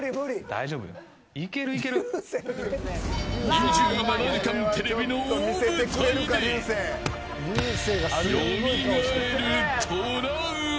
２７時間テレビの大舞台でよみがえるトラウマ。